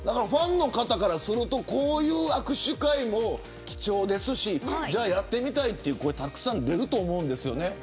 ファンの方からするとこういう握手会も貴重ですしじゃあ、やってみたいという声もたくさん出ると思います。